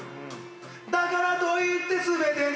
だからといって全てに